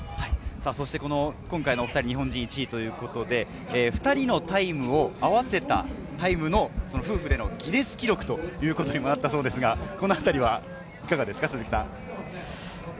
今回のお２人、日本人１位ということで、２人のタイムを合わせたタイムの夫婦でのギネス記録ということにもなったそうですが、このあたりはいかがですか？